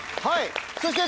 そして。